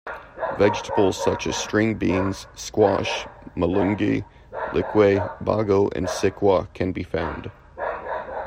Vegetables such as string beans, squash, malunggay, likway, bago and sikwa can be found.